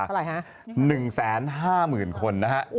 ๑๕๕๐คนนะครับ